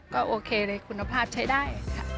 ก็โอเคเลยคุณภาพใช้ได้ค่ะ